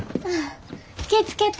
気ぃ付けて。